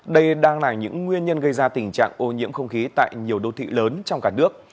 đây đang là những nguyên nhân gây ra tình trạng ô nhiễm không khí tại nhiều đô thị lớn trong cả nước